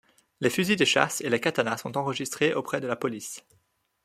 Les fusils de chasse et les katanas sont enregistrés auprès de la police.